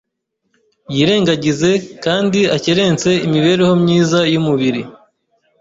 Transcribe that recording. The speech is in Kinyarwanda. yirengagize kandi akerense imibereho myiza y’umubiri,